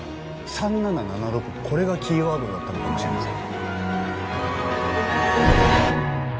３７７６これがキーワードだったのかもしれません。